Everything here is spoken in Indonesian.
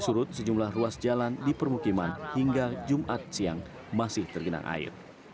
surut sejumlah ruas jalan di permukiman hingga jumat siang masih tergenang air